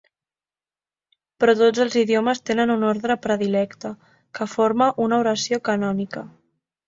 Però tots els idiomes tenen un ordre predilecte, que forma una oració canònica.